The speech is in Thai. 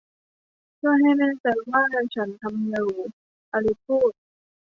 'เพื่อให้แน่ใจว่าฉันทำอยู่' อลิสพูด